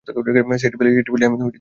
সেটি পেলেই আমি তোমায় পাঠিয়ে দেব।